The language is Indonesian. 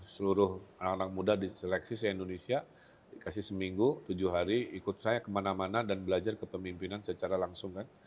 seluruh anak anak muda diseleksi se indonesia dikasih seminggu tujuh hari ikut saya kemana mana dan belajar kepemimpinan secara langsung kan